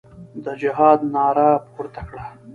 د جهاد ناره پورته کړه.